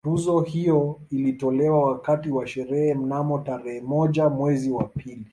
Tuzo hiyo ilitolewa wakati wa sherehe mnamo tarehe moja mwezi wa pili